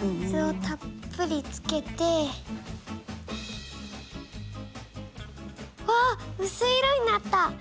水をたっぷりつけて。わうすい色になった！